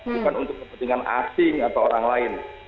bukan untuk kepentingan asing atau orang lain